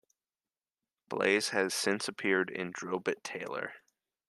Blaise has since appeared in Drillbit Taylor.